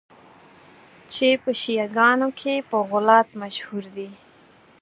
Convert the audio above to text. چي په شیعه ګانو کي په غُلات مشهور دي.